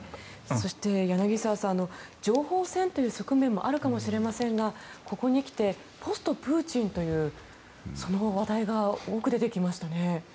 そして柳澤さん情報戦という側面もあるかもしれませんがここに来てポストプーチンというその話題が多く出てきましたね。